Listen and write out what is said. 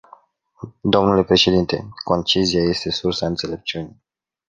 Dle președinte, concizia este sursa înțelepciunii.